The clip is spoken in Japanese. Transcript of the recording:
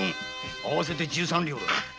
合わせて十三両。